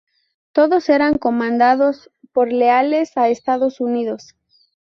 Todos eran comandados por leales a Estados Unidos.